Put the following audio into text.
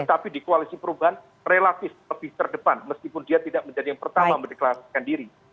tapi di koalisi perubahan relatif lebih terdepan meskipun dia tidak menjadi yang pertama mendeklarasikan diri